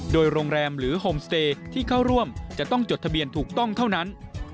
โดยโรงแรมหรือโฮมสเตย์ที่เข้าร่วมจะต้องจดทะเบียนถูกต้องเท่านั้น